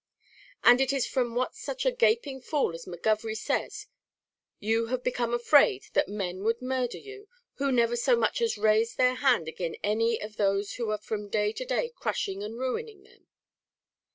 "And is it from what such a gaping fool as McGovery says, you have become afraid that men would murder you, who never so much as raised their hand agin any of those who are from day to day crushing and ruining them?"